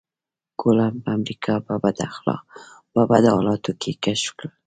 کولمب امريکا په بد حالاتو کې کشف کړه.